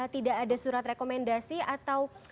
tidak ada surat rekomendasi atau